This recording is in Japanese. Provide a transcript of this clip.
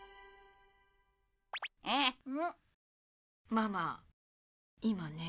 ママ今ね。